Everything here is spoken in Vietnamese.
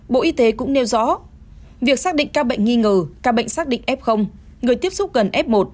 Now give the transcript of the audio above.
bộ y tế cũng nêu rõ việc xác định các bệnh nghi ngờ các bệnh xác định f người tiếp xúc gần f một